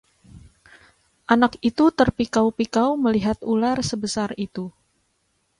anak itu terpikau-pikau melihat ular sebesar itu